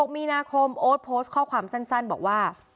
มีนาคมโอ๊ตโพสต์ข้อความสั้นบอกว่า